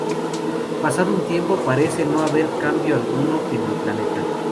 Pasado un tiempo, parece no haber cambio alguno en el planeta.